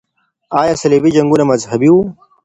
آیا صلیبي جنګونه مذهبي وو؟